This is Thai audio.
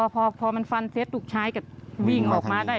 พอแม่พันธุ์เฟาะลูกชายก็วิ่งออกมาได้